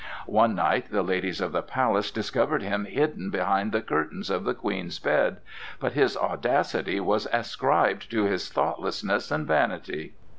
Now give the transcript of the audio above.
One night the ladies of the palace discovered him hidden behind the curtains of the Queen's bed, but his audacity was ascribed to his thoughtlessness and vanity.